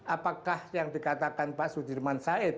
apakah yang dikatakan pak sudirman said